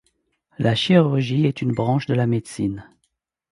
La chirurgie est une branche de la médecine.